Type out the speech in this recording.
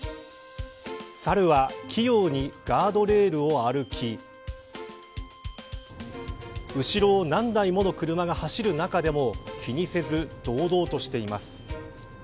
サルは器用にガードレールを歩き後ろを何台もの車が走る中でも気にせず堂々としています。